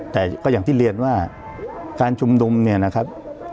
แต่ก็อย่างที่เรียนว่าการชุมนุมเนี่ยนะครับ